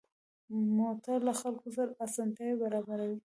موټر له خلکو سره اسانتیا برابروي.